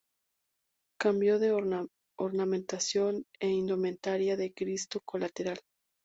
Cambio de ornamentación e indumentaria del Cristo Colateral.